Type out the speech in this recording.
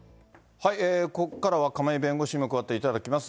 ここからは亀井弁護士にも加わっていただきます。